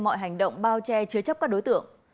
mọi hành động bao che chứa chấp các đối tượng